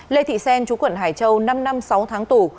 lê thị xen chú quận hải châu năm năm sáu tháng tù